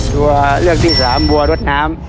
ตัวเลือกที่สามบัวรถน้ำ